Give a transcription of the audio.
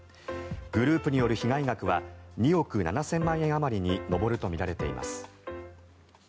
グループによる被害額は２億７０００万円あまりに上るとみられています。